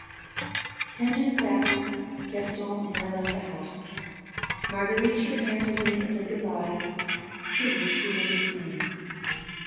Ten minutes after, Gaston and I left the house. Marguerite shook hands with me and said good bye. Prudence remained behind.